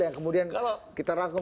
yang kemudian kita ragam